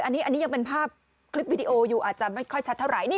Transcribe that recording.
อันนี้ยังเป็นภาพคลิปวิดีโออยู่อาจจะไม่ค่อยชัดเท่าไหร่